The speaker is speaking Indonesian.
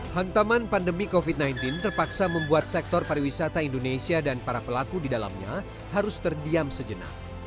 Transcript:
hantaman pandemi covid sembilan belas terpaksa membuat sektor pariwisata indonesia dan para pelaku di dalamnya harus terdiam sejenak